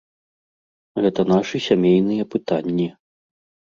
Гэта нашы сямейныя пытанні.